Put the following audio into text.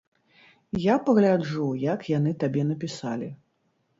Я пагляджу, як яны табе напісалі.